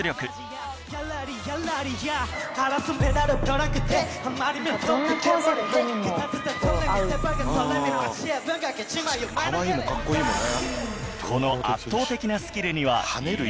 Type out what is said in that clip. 確かにかわいいもかっこいいもね。